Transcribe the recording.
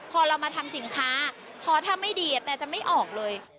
พอเรามาทำสินค้าพอถ้าไม่ดีแต่จะไม่ออกเลย